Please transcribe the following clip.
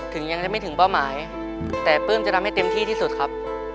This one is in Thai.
ถึงยังได้ไม่ถึงเป้าหมายแต่ปลื้มจะทำให้เต็มที่ที่สุดครับ